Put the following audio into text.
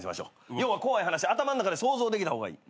要は怖い話頭の中で想像できた方がいい。